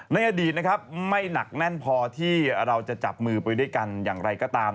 ในอดีตนะครับไม่หนักแน่นพอที่เราจะจับมือไปด้วยกันอย่างไรก็ตาม